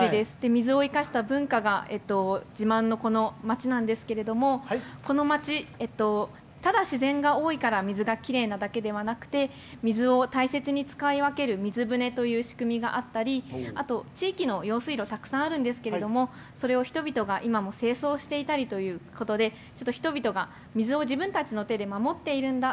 水を生かした文化が自慢のこの町なんですけどもこの町、ただ水が多いから水の町ではなくて水を大切に使い分ける水舟という仕組みがあったり地域の用水路たくさんあるんですけどそれを人々が今も清掃していたりということでちょっと人々が水を自分たちの手で守っているんだ。